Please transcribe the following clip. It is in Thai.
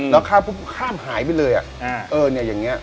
แล้วก็ข้ามหายไปเลยอ่ะเออเนี่ยอย่างเนี่ย